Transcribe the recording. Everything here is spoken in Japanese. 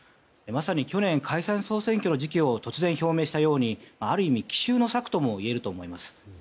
まさに去年解散・総選挙の時期を突然表明したようにある意味、奇襲の策ともいえると思います。